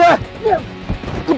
ke pasir dia